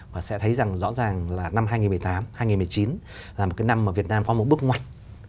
và sẽ thấy rằng rõ ràng là năm hai nghìn một mươi tám hai nghìn một mươi chín là một cái năm mà việt nam có một bước ngoặt